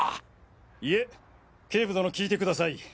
いえ警部殿聞いてください。